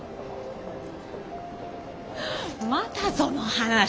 またその話？